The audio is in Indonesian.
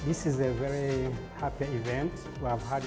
ini adalah acara yang sangat bahagia